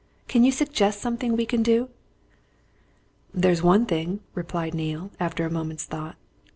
Can't you suggest something we can do?" "There's one thing," replied Neale, after a moment's thought.